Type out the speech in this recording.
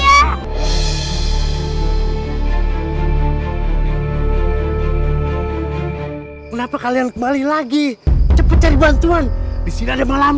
hai kenapa kalian kembali lagi cepet cari bantuan di sini ada malam